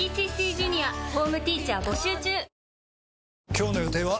今日の予定は？